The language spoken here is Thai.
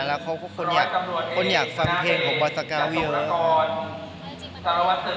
แล้วเขาก็คนอยากฟังเพลงของบอสเตอร์เก้าเยอะ